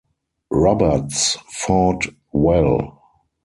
Roberts fought well.